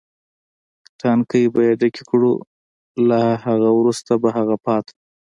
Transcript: ټانکۍ به یې ډکې کړو، له هغه وروسته به هغه پاتې.